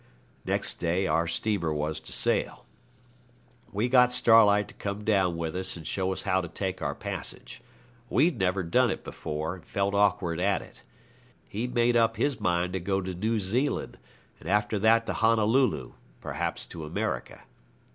..... Next day our steamer was to sail. We got Starlight to come down with us and show us how to take our passage. We'd never done it before, and felt awkward at it. He'd made up his mind to go to New Zealand, and after that to Honolulu, perhaps to America.